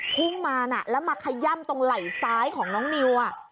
พุ่งมาน่ะแล้วมาขย่ำตรงไหล่ซ้ายของน้องนิว